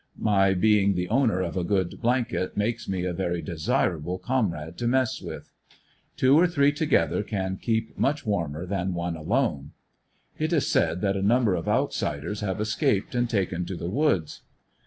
My being the owner of a ^'ood blanket makes me a very desirable com rade to mess with. Two or three together can keep much warmer than one alone. It is said that a number of outsiders have escaped and taken to the woods.